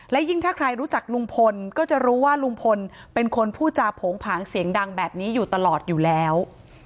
และยิ่งถ้าใครรู้จักลุงพลก็จะรู้ว่าลุงพลเป็นคนพูดจาโผงผางเสียงดังแบบนี้อยู่ตลอดอยู่แล้ว